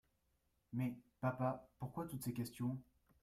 Mais, papa, pourquoi toutes ces questions ?